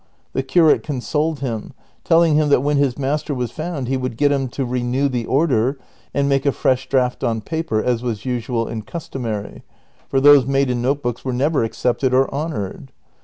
The curate consoled him, telling him that when his master was found he would get him to renew the order, and make a fresh draft on paper, as was usual and customary ; for those made in note books were never accepted or honored.